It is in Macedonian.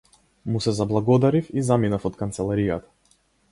Му се заблагодарив и заминав од канцеларијата.